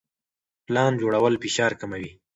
پلان جوړول فشار کموي.